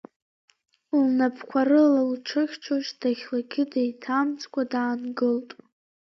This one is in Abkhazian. Лнапқәа рыла лҽыхьчо шьҭахьлагьы деиҭамҵкәа даангылт.